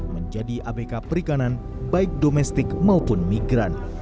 menjadi abk perikanan baik domestik maupun migran